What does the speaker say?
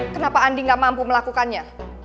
kenapa andi gak mampu melakukannya